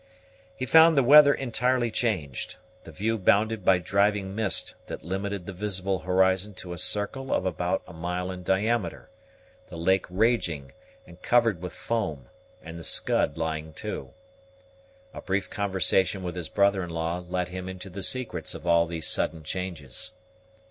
He found the weather entirely changed, the view bounded by driving mist that limited the visible horizon to a circle of about a mile in diameter, the lake raging and covered with foam, and the Scud lying to. A brief conversation with his brother in law let him into the secrets of all these sudden changes.